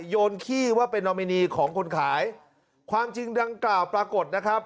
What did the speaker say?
โยนขี้ว่าเป็นนอมินีของคนขายความจริงดังกล่าวปรากฏนะครับ